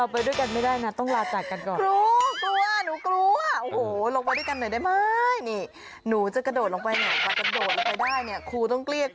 พาไปด้วย